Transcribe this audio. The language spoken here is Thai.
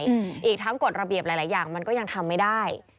อีกทั้งกฎระเบียบหลายหลายอย่างมันก็ยังทำไม่ได้